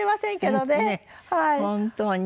本当に。